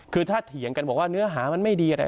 คือถ้าเถียงกันบอกว่าเนื้อหามันไม่ดีอะไร